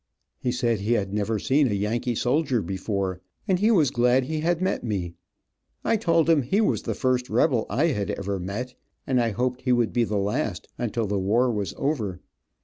He said he had never seen a Yankee soldier before, and he was glad he had met me. I told him he was the first rebel I had ever met, and I hoped he would be the last, until the war was over.